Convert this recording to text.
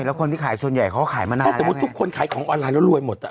แล้วคนที่ขายส่วนใหญ่เขาก็ขายมานานถ้าสมมุติทุกคนขายของออนไลน์แล้วรวยหมดอ่ะ